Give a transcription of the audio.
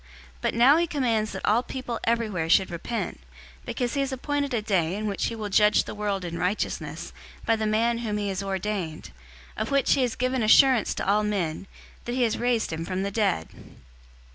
But now he commands that all people everywhere should repent, 017:031 because he has appointed a day in which he will judge the world in righteousness by the man whom he has ordained; of which he has given assurance to all men, in that he has raised him from the dead."